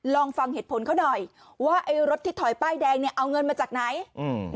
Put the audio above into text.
ลองฟังเหตุผลเขาหน่อยว่าไอ้รถที่ถอยป้ายแดงเนี้ยเอาเงินมาจากไหนอืม